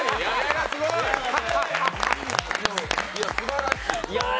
いや、すばらしい！